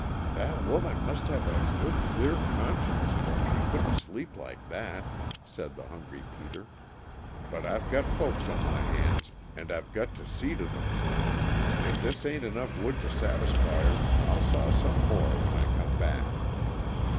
"That woman must have a good, clear conscience or she couldn't sleep like that," said the hungry Peter, "but I've got folks on my hands, and I've got to see to them. If this ain't enough wood to satisfy her I'll saw some more when I come back."